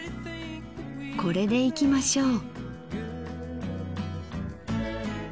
これでいきましょう。